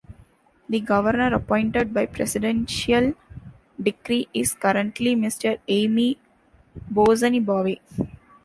The governor, appointed by presidential decree, is currently Mr. Aime Bosenibamwe.